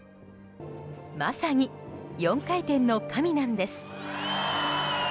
まさに４回転の神なんです。